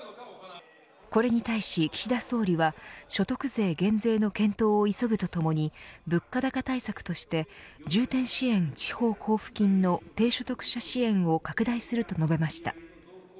これに対し岸田総理は所得税減税の検討を急ぐとともに物価高対策として重点支援地方交付金の低所得者支援を拡大すると述べました。